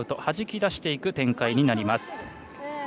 はじき出していく展開になります。